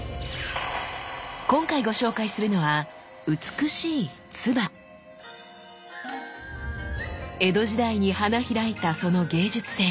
今回ご紹介するのは美しい江戸時代に花開いたその芸術性。